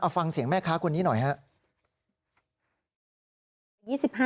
ฟังเสียงแม่ค้าคนนี้หน่อยครับ